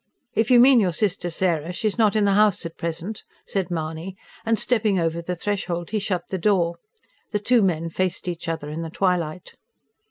"If you mean your sister Sarah, she is not in the house at present," said Mahony; and stepping over the threshold he shut the door. The two men faced each other in the twilight.